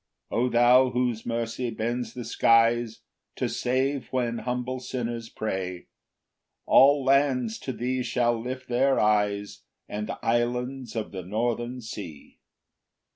2 O thou, whose mercy bends the skies To save when humble sinners pray, All lands to thee shall lift their eyes And islands of the northern sea.